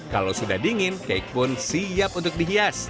kalau sudah dingin cake pun siap untuk dihias